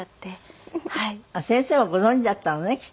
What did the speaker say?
先生はご存じだったのねきっとね。